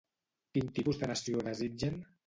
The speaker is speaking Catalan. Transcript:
Quin tipus de nació desitgen?